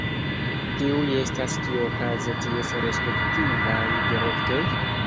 Kiuj estas tiuokaze ties respektivaj direktoj?